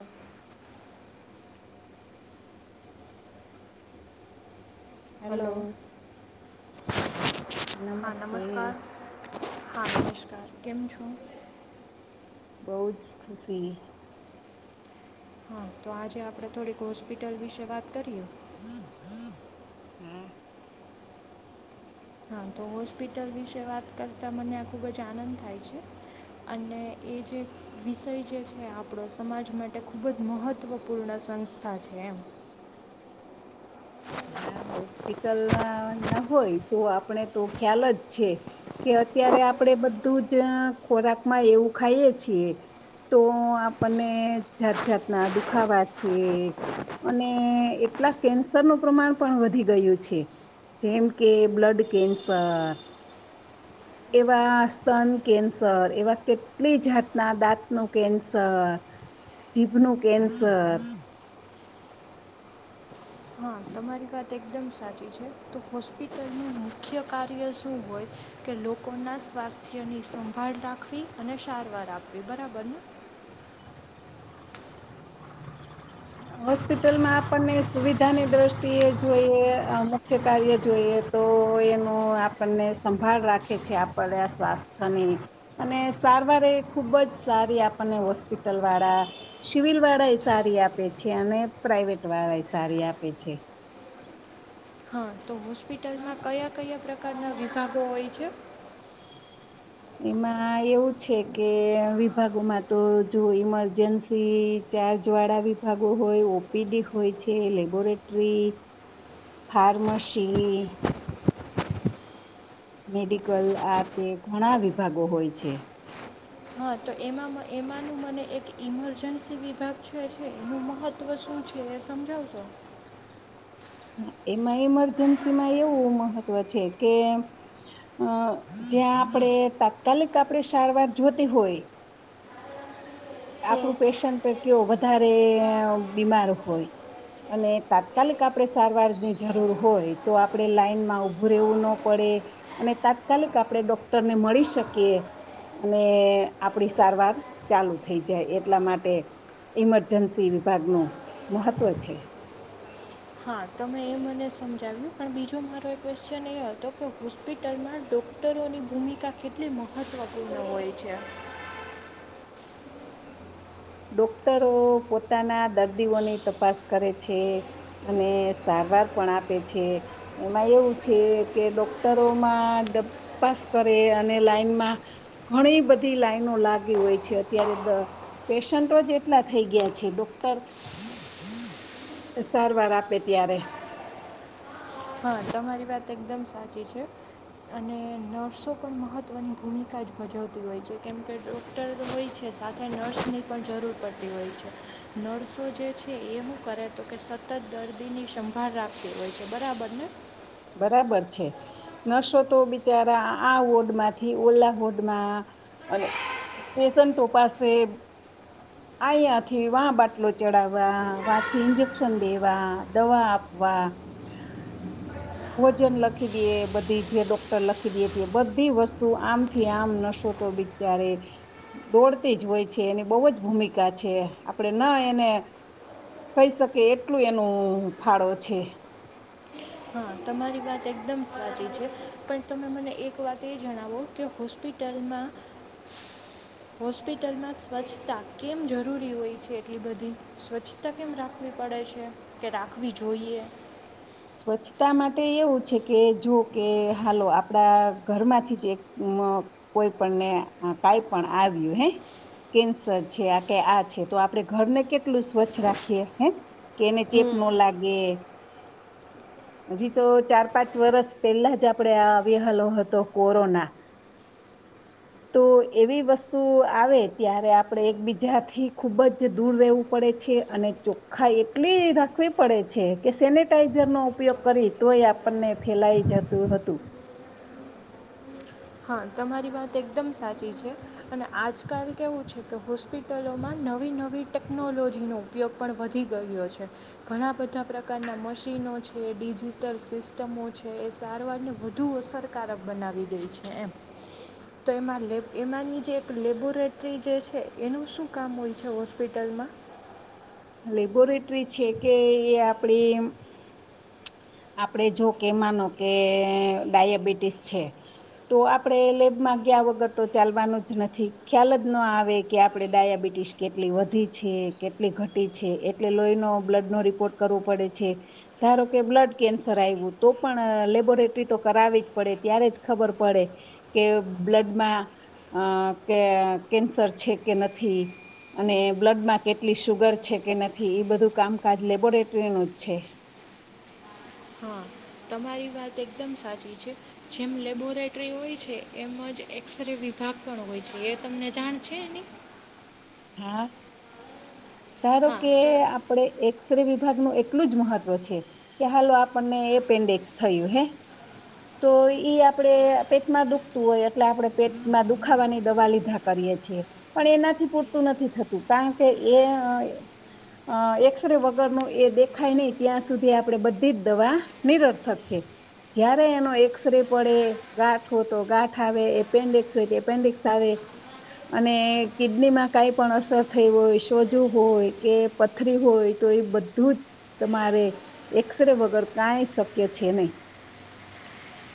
હ હલો. હા નમસ્તે. નમસ્કાર હા નમસ્કાર કેમ છો? બહુ જ ખુશી. હા તો આજે આપડે થોડીક હોસ્પિટલ વિશે વાત કરીએ. હમ. હા તો હોસ્પિટલ વિશે વાત કરતાં મને આ ખૂબ જ આનંદ થાય છે, અને એ જે વિષય જે છે આપડો સમાજ માટે ખૂબ જ મહત્ત્વપૂર્ણ સંસ્થા છે એમ. હા હોસ્પિટલ ના ના હોય તો આપણે તો ખ્યાલ જ છે કે અત્યારે આપડે બધું જ ખોરાકમાં એવું ખાઈએ છીએ તો આપણને જાત જાતના દુખાવા છે અને એટલા કેન્સ સર નું પ્રમાણ પણ વધી ગયું છે જેમ કે બ્લડ કેન્સર એવા સ્તન કેન્સર એવા કેટલી જાતના દાંતનું કેન્સર, જીભનું કેન્સર. હા તમારી વાત એકદમ સાચી છે તો હોસ્પિટલનું મુખ્ય કાર્ય શું હોય કે લોકોના સ્વાસ્થ્યની સંભાળ રાખવી અને સારવાર આપવી બરાબરને. હોસ્પિટલમાં આપણને સુવિધાની દ્રષ્ટિએ જોઈએ અ મુખ્ય કાર્ય જોઈએ તો એનો આપણને સંભાળ રાખે છે આપડા સ્વાસ્થ્યની અને સારવાર એ ખુબ જ સારી આપણને હોસ્પિટલ વાળા સિવિલ વાળા એ સારી આપે છે અને પ્રાઇવેટ વાળાય સારી આપે છે. હા તો હોસ્પિટલમાં કયા કયા પ્રકારના વિભાગો હોય છે? એમાં એવું છે કે વિભાગોમાં તો જો ઈમરજન્સી ચાર્જ વાળા વિભાગો હોય, ઓપીડી હોય છે, લેબોરેટરી, ફાર્મસી મેડિકલ આ તે ઘણા વિભાગો હોય છે. હા તો એમાંમ એમાંનું મને એક ઇમરજન્સી વિભાગ છે છે એનું મહત્ત્વ શું છે? એ સમજાવશો. એમાં ઈમરજન્સી માં એવું મહત્વ છે કે અ જ્યાં આપડે તાત્કાલિક આપડે સારવાર જોતી હોય આપડુ પેશન્ટે કેવો વધારે અ બીમાર હોય અને તાત્કાલિક આપડે સારવારની જરૂર હોય તો આપડે લાાઈનમાં ઊભું રહેવું ન પડે અને તાત્કાલિક આપડે ડૉક્ટરને મળી શકીએ અને આપડી સારવાર ચાલુ થઈ જાય એટલા માટે ઈમરજન્સી વિભાગનું મહત્ત્વ છે. હા તમે એ મને સમજાવ્યું પણ બીજો મારો એ ક્વેશ્ચન એ હતો કે હોસ્પિટલમાં ડોક્ટરોની ભૂમિકા કેટલી મહત્ત્વપૂર્ણ હોય છે? ડોક્ટરો પોતાના દર્દીઓની તપાસ કરે છે અને સારવાર પણ આપે છે. એમાં એવું છે કે ડોક્ટરોમાં ડપ્પાસ કરે અને લાઈનમાં ઘણી બધી લાઈનો લાગી હોય છે અત્યારે દ પેશન્ટો જ એટલા થઈ ગયા છે ડોક્ટર સારવાર આપે ત્યારે. હા તમારી વાત એકદમ સાચી છે, અને નર્સો પણ મહત્ત્વની ભૂમિકા જ ભજવતી હોય છે કેમ કે, ડૉક્ટર હોય છે સાથે નર્સની પણ જરૂર પડતી હોય છે. નર્સો જે છે એમું કરે તો કે સતત દર્દીની સંભાળ રાખતી હોય છે બરાબર ને બરાબર છે નર્સો તો બિચારા આ વોર્ડ માંથી ઓલા વોર્ડમાં અને પેશન્ટો પાસે આયયાથી વા બાટલો ચડાવવા વાહથી ઈન્જેકશન દેવા દવા આપવા ભોજન લખી દયે બધી જે ડોક્ટર લખી દયે કે બધી વસ્તુ આમથી આમ નર્સો તો બિચારે દોડતી જ હોય છે, એની બહુ જ ભૂમિકા છે આપણે ના એને કઈ શકીએ એટલું એનું ફાળો છે. હા તમારી વાત એકદમ સાચી છે, પણ તમે મને એક વાત એ જણાવો કે હોૉસ્પિટલમાં હોસ્પિટલમાં સ્વચ્છતા કેમ જરૂરી હોય છે? એટલી બધી સ્વચ્છતા કેમ રાખવી પડે છે કે, રાખવી જોઈએ. સ્વચ્છતા માટે એવું છે કે જો કે હાલો આપડા ઘરમાંથી જ એક અ કોઈ પણને કાંઈ પણ આવ્યું હે કેન્સર છે આ કે આ છે તો આપડે ઘરને કેટલું સ્વચ્છ રાખીએ હે કે એને ચેપ નો લાગે હજી તો ચાર પાંચ વર્ષ પેલા જ આપડે આવેલો હતો કોરોના. તો એવી વસ્તુ આવે ત્યારે આપણે એકબીજાથી ખૂબ જ દૂર રહેવું પડે છે અને ચોખ્ખા એટલી રાખવી પડે છે કે સેનેટાઈઝરનો ઉપયોગ કરી તોય આપણને ફેલાય જતું હતું હા તમારી વાત એકદમ સાચી છે અને આજકાલ કેવું છે કે હોસ્પિટલોમાં નવી નવી ટેકનોલોજીનો ઉપયોગ પણ વધી ગયો છે ઘણા બધા પ્રકારનાં મશીનો છે ડિજિટલ સિસ્ટમો છે એ સારવારને વધુ અસરકારક બનાવી દઈ છે એમ તો એમાં એમાંની જે એક લેબોરેટરી જે છે એનું શું કામ હોય છે હોસ્પિટલમાં લેબોરેટરી છે કે એ આપડી આપડે જો કે માનો કે ડાયાબિટીસ છે તો આપણે લેબમાં ગયા વગર તો ચાલવાનું જ નથી ખ્યાલ જ ના આવે કે આપડ ડાયાબિટીસ કેટલી વધી છે કેટલી ઘટી છે એટલે લોહીનો બ્લડ નો રિપોર્ટ કરવો પડે છે ધારો કે બ્લડ કેન્સર આવ્યું તો પણ લેબોરેટરી તો કરાવી જ પડે ત્યારે જ ખબર પડે કે બ્લડમાં કે કેન્સર છે કે નથી અને બ્લડમાં કેટલી સુુગર છે કે નથી એ બધું કામકાજ લેબોરેટરીનું જ છે હા તમારી વાત એકદમ સાચી છે જેમ લેબોરેટરી હોય છે એમ જ એક્સ રે વિભાગ પણ હોય છે એ તમને જાણ છે એ નહી હા ધારો હા કે તો આપડે એક અક્ષરે વિભાગનું એટલું જ મહત્વ છે કે હાલો આપણને એપેન્ડિક્સ થયું હે તો આપણે પેટમાં દુખતું હોય એટલે આપણે પેટમાં દુખાવાની દવા લીધા કરીએ છીએ પણ એનાથી પૂર નથી થતું કારણ કે એ એક્સરે વગરનું એ દેખાય નહી ત્યાં સુધી આપણે બધી દવા નિરર્થક છે જયારે એનો એક્સરે પડે ગાંઠ હો તો ગાંઠ આવે એપેન્ડિકસ હોય એપેન્ડિક્સ આવે અને કિડનીમાં કઈ પણ અસર થઈ હોય સોજું હોય કે પથરી હોય તો એ બધું જ તમારે એક્સરે વગર કાઈ શક્ય છે નહી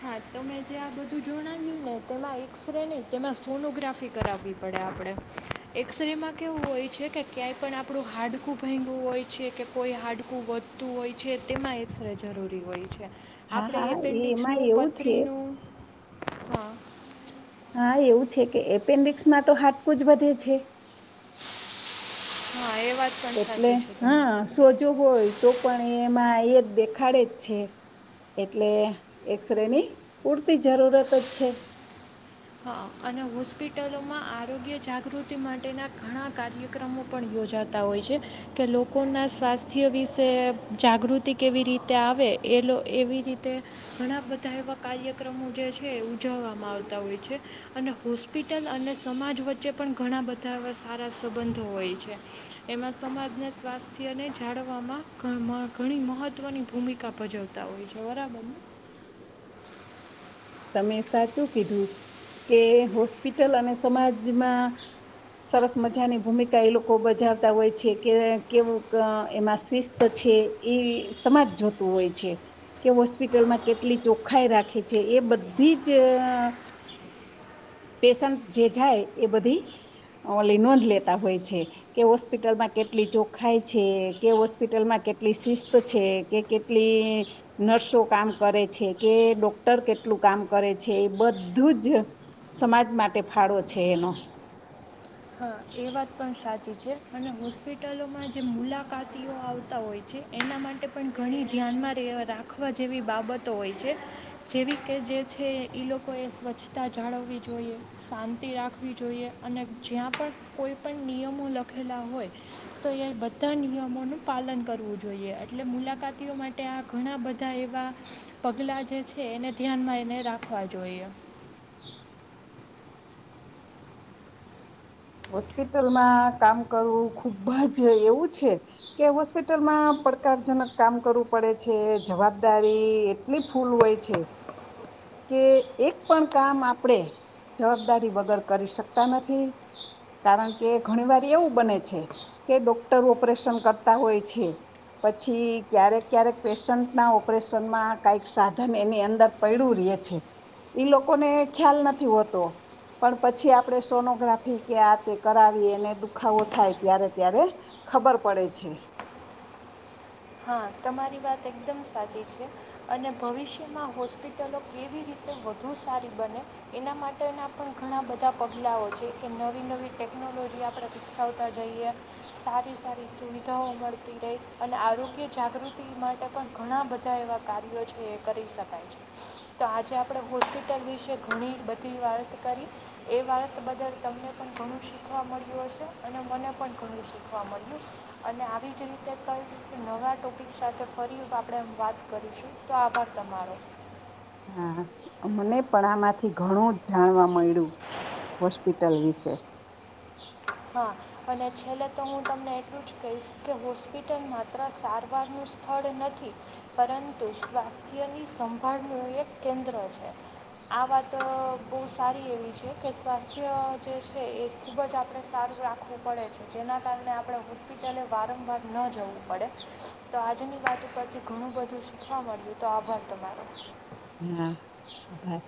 હા તોમેં જે આ બધું જોણાવ્યું ને તેમાં એક્સરે નહીં તેમાં સોનોગ્રાફી કરાવવી પડે આપણે એક્સરે માં કેવું હોય છે કે ક્યાંય પણ આપણું હાડકું ભાગું હોય છે કે કોઈ હાડકું વધતું હોય છે તેમાં એક્સરે જરૂરી હોય છે હા આપણે હા એ એમાં એપેન્ડિક્સનું એવું છે પથરીનું હા હા એવું છે કે એપેન્ડિક્સમાં તો હાટકું જ વધે છે હા એ વાત પણ એટલે સાચી છે હા તમારી સોજો હોય તો પણ એમાં એ જ દેખાડે જ છે એટલે એક્સરે ની પૂરતી જરૂરત જ છે હા અને હોસ્પિટલોમાં આરોગ્ય જાગૃતિ માટેના ઘણા કાર્યક્રમો પણ યોજાતા હોય છે કે લોકોના સ્વાસ્થ્ય વિશે જાગૃતિ કેવી રીતે આવે એ એવી રીતે ઘણા બધા એવા કાર્યક્રમો જે છે ઉજવવામાં આવતા હોય છે છે અને હોસ્પિટલ અને સમાજ વચ્ચે પણ ઘણા બધા એવા સારા સંબંધો હોય છે એમાં સમાજના સ્વાસ્થ્યને જાળવામાં ઘણી મહત્ત્વની ભૂમિકા ભજવતા હોય છે બરાબરને તમે સાચું કીધું કે હોસ્પિટલ અને સમાજમાં સરસ મજાની ભૂમિકા એ લોકો બજાવતા હોય છે કે કેવું એમાં શિસ્ત છે એ સમાજ જોતું હોય છે કે હોસ્પિટલમાં કેટલી ચોખ્ખાઈ રાખે છે એ બધુ બધી જ પેશન્ટ જે જાય એ બધી ઓલી નોંધ લેતા હોય છે કે હોસ્પિટલમાં કેટલી ચોખાઈ છે કે હોસ્પિટલમાં કેટલી શિસ્ત છે કે કેટલી નર્સો કામ કરે છે કે ડોક્ટર કે કેટલું કામ કરે છે એ બધું જ સમાજ માટે ફાળો છે એનો હા એ વાત પણ સાચી સાચી છે અને હોસ્પિટલોમાં જે મુલાકાતીઓ આવતા હોય છે એના માટે પણ ઘણી ધ્યાનમાં રહેવા રાખવા જેવી બાબતો હોય છે જેવી કે જે છે એ લોકોએ સ્વચ્છતા જાળવવી જોઈએ શાંતિ રાખવી જોઈએ અને જ્યાં પણ કોઈ પણ નિયમો લખેલા હોય તો એ બધા નિયમોનું પાલન કરવું જોઈએ એટલે મુલાકાતીઓ માટે આ ઘણા બધા એવા પગલાં જે છે એને ધ્યાનમાં એને રાખવા જોઈએ હોસ્પિટલમાં કામ કરવું ખુબ જ એવું છે કે હોસ્પિટલમાં પડકારજનક કામ કરવું પડે છે જવાબદારી એટલી ફૂલ હોય છે કે એક પણ કામ આપણેે જવાબદારી વગર કરી શકતા નથી કારણ કે ઘણી વાર એવું બને છે કે ડોક્ટર ઓપરેશન કરતા હોય છે પછી ક્યારેક ક્યારેક પેશન્ટ ના ઓપરેશનમાં કઈક સાધન એની અંદર પડડું ર છે ઈ લોકોને ખ્યાલ નથી હોતો પણ પછી આપણે સોનોગ્રાફી કે આ તે કરાવી એને દુખાવો થાય ત્યારે ત્યારે ખબર પડે છે હા તમારી વાત એકદમ સાચી છે અને ભવિષ્યમાં હોસ્પિટલો કેવી રીતે વધુ સારી બને એના માટેના પણ ઘણા બધા પગલાંઓ છે કે નવી નવી ટેકનોલોજી આપણે વિકસાવતા જઈએ સારી સારી સુવિધાઓ મળતી રહી અને આરોગ્ય આરોગ્ય જાગૃતિ માટે પણ ઘણા બધા એવા કાર્યો છે એ કરી શકાય છે તો આજે આપણે હોસ્પિટલ વિશે ઘણી બધી વાર્ત કરી એ વાત બદલ તમને પણ ઘણું શીખવા મળ્યું હશે અને મને પણ ઘણું શીખવા મળ્યું અને આવી જ રીતે કંઈક કે નવા ટોપિક સાથે ફરી આપણેમ વાત કરીશું તો આભાર તમારો હા મને પણ આમાંથી ઘણું જ જાણવા મળ્યું હોસ્પિટલ વિશે હા અને છેલ્લે તો હું તમને એટલું જ કહીશ કે હોસ્પિટલ માત્ર સારવારનું સ્થળ નથી પરંતુ સ્વાસ્થ્યની સંભાળનું એક કેન્દ્ર છે આ વાત બહુ સારી એવી છે કે સ્વાસ્થ્ય જે છે એ ખૂબ જ આપણે સારું રાખવું પડે છે જેના કારણે આપણે હોસ્પિટલે વારંવાર ન જવું પડે તો આજની વાત ઉપરથી ઘણું બધું શીખવા મળ્યું તો આભાર તમારો હા આભાર